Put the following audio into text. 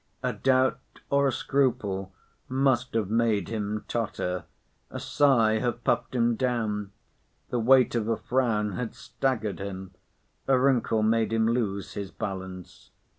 A doubt or a scruple must have made him totter, a sigh have puffed him down; the weight of a frown had staggered him, a wrinkle made him lose his balance.